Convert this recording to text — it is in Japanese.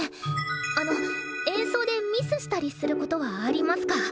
あの演奏でミスしたりすることはありますか？